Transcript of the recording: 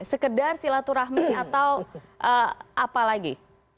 sekedar silaturahmi atau apa lagi